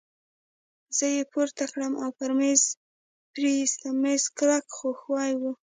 زه يې پورته کړم او پر مېز پرې ایستم، مېز کلک خو ښوی وو.